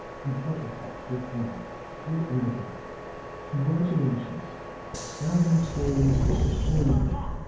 A Buttercup for Paul Dear Editor: Congratulations! Astounding Stories has scored again!